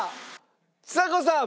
ちさ子さん！